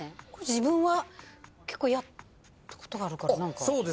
自分は結構やったことがあるから何か。